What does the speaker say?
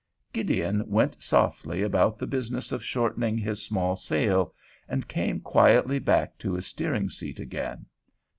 Gideon went softly about the business of shortening his small sail, and came quietly back to his steering seat again.